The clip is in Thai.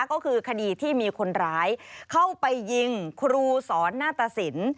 ก็คือคดีที่มีคนร้ายเข้าไปยิงครูสอนหน้าตสิน